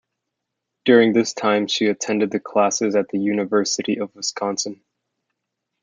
During this time she attended the classes at the University of Wisconsin.